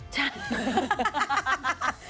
ใช่